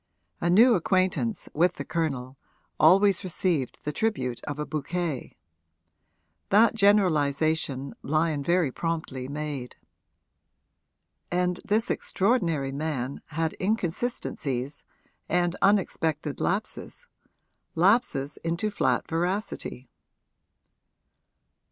A new acquaintance, with the Colonel, always received the tribute of a bouquet: that generalisation Lyon very promptly made. And this extraordinary man had inconsistencies and unexpected lapses lapses into flat veracity.